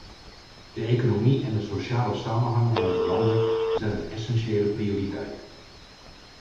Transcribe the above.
De economie en de sociale samenhang van onze landen zijn een essentiële prioriteit.